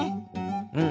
うん。